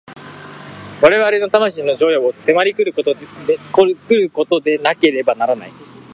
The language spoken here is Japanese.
我々の魂の譲与を迫り来ることでなければならない。